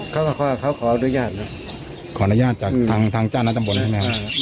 เขาเขาเขาเขาขออนุญาตนั้นขออนุญาตจากทางทางจ้านัตรบนใช่ไหมครับ